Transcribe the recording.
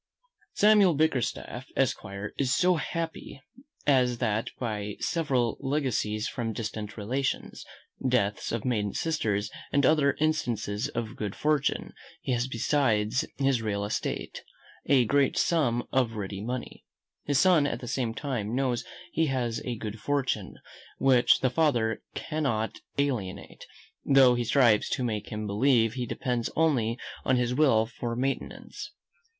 Samuel Bickerstaff, esquire, is so happy as that by several legacies from distant relations, deaths of maiden sisters, and other instances of good fortune, he has besides his real estate, a great sum of ready money. His son at the same time knows he has a good fortune, which the father cannot alienate; though he strives to make him believe he depends only on his will for maintenance.